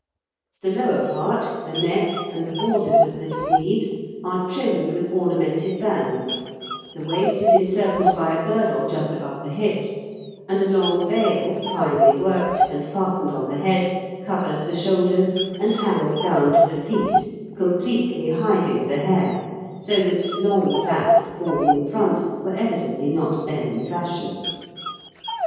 The lower part, the neck, and the borders of the sleeves are trimmed with ornamented bands, the waist is encircled by a girdle just above the hips, and a long veil, finely worked, and fastened on the head, covers the shoulders and hangs down to the feet, completely hiding the hair, so that long plaits falling in front were evidently not then in fashion.